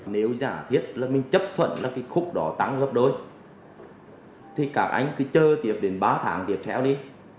nếu giả thiết là mình chấp thuận là cái khúc đó tăng gấp đôi thì các anh cứ chờ tiếp đến ba tháng tiếp theo đi